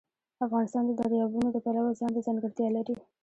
افغانستان د دریابونه د پلوه ځانته ځانګړتیا لري.